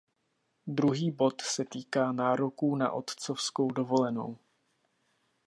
Druhý bod se týká nároků na otcovskou dovolenou.